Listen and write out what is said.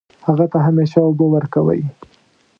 هغه ته همیشه اوبه ورکوئ